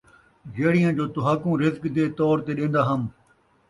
جِہڑیاں جو تُہاکوں رِزق دے طور تے ݙیندا ہَم